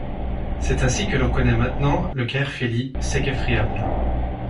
C'est ainsi que l'on connaît maintenant le Caerphilly, sec et friable.